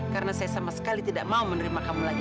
karena saya sama sekali tidak mau menerima kamu lagi